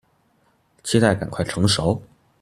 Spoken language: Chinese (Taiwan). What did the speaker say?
期待趕快成熟